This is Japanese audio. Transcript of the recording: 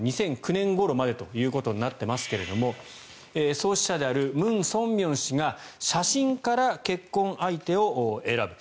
２００９年ごろまでとなってますが創始者であるムン・ソンミョン氏が写真から結婚相手を選ぶ。